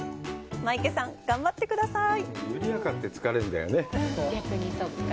マイケさん、頑張ってください！